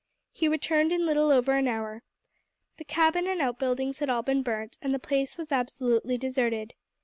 He returned in little over an hour. The cabin and outbuildings had all been burnt, and the place was absolutely deserted.